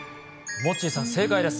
モッチーさん、正解です。